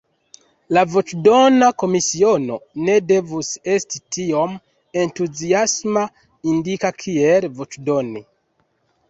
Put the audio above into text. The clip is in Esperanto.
La voĉdona komisiono ne devus esti tiom entuziasma, indika kiel voĉdoni.